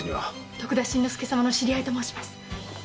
徳田新之助様の知り合いと申します。